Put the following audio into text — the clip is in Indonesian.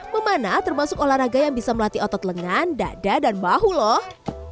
memana termasuk olahraga yang bisa melatih otot lengan dada dan bahu loh